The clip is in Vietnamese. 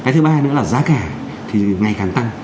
cái thứ ba nữa là giá cả thì ngày càng tăng